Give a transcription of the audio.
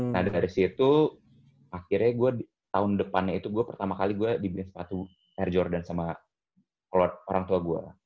nah dari situ akhirnya gue tahun depannya itu gue pertama kali gue dibeliin sepatu air jordan sama orang tua gue